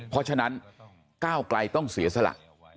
เพราะฉะนั้นก้าวไกลต้องเสียสละ